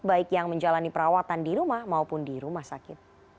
baik yang menjalani perawatan di rumah maupun di rumah sakit